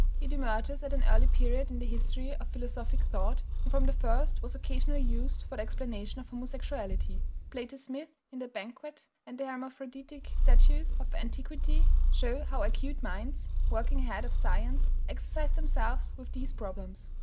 It emerges at an early period in the history of philosophic thought, and from the first was occasionally used for the explanation of homosexuality. Plato's myth in the Banquet and the hermaphroditic statues of antiquity show how acute minds, working ahead of science, exercised themselves with these problems.